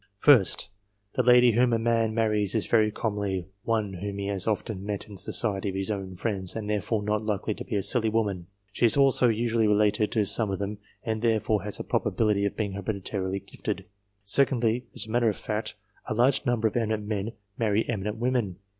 First, the lady whom a man marries is very commonly one whom he has often met in the society of his own friends, and therefore not likely to be a silly woman. She is also usually related to some of them, and therefore has a probability of being hereditarily gifted. Secondly, as a matter of fact, a large number of eminent men marry eminent women.